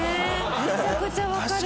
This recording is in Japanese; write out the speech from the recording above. めちゃくちゃわかる。